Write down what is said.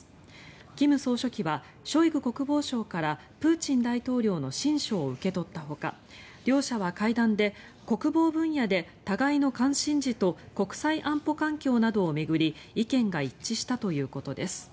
金総書記はショイグ国防相からプーチン大統領の親書を受け取ったほか両者は会談で国防分野で互いの関心事と国際安保環境などを巡り意見が一致したということです。